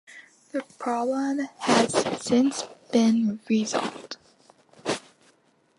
The problem has since been resolved.